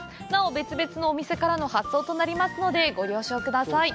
別々のお店からの発送となりますので、ご了承ください。